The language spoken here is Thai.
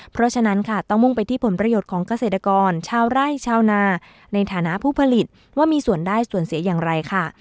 เพราะฉะนั้นค่ะต้องมุ่งไปที่ผลประโยชน์ของเกษตรกรชาวไร่ชาวนาในฐานะผู้ผลิตว่ามีส่วนได้ส่วนเสียอย่างไรค่ะ